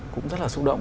cũng rất là xúc động